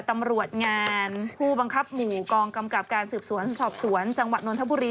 ตำรวจงานผู้บังคับหมู่กองกำกับการสืบสวนสอบสวนจังหวัดนทบุรี